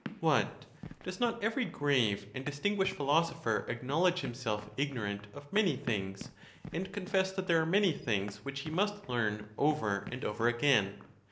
What! does not every grave and distinguished philosopher acknowledge himself ignorant of many things, and confess that there are many things which he must learn over and over again?